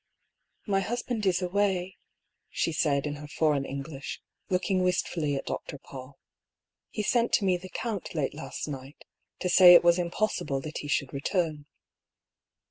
"My husband is away," she said, in her foreign English, looking wistfully at Dr. Paull. " He sent to me the count late last night, to say it was impossible that he should return."